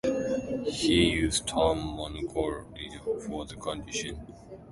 He used the term "mongoloid" for the condition.